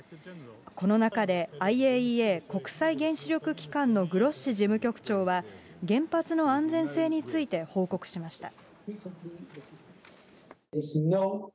この中で、ＩＡＥＡ・国際原子力機関のグロッシ事務局長は、原発の安全性について報告しました。